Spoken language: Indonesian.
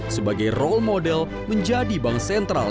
sebagai role model menjadi bank sentral